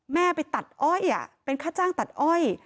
แม่ไปตัดอ้อยเป็นค่าจ้างตัดอ้อย